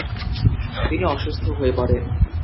তিনি অসুস্থ হয়ে পড়েন।